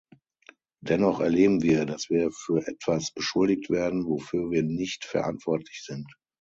Dennoch erleben wir, dass wir für etwas beschuldigt werden, wofür wir nicht verantwortlich sind.